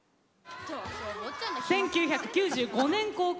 １９９５年公開